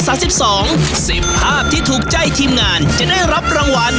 สิบภาพที่ถูกใจทีมงานจะได้รับรางวัล